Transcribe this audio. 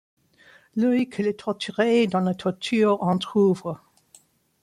L’œil que le torturé dans la torture entr’ouvre ;